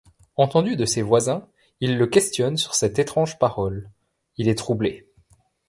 Entendu de ses voisins, ils le questionnent sur cette étrange parole, il est troublé.